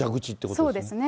そうですね。